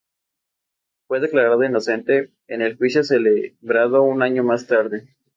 Fue declarado inocente en el juicio celebrado un año más tarde.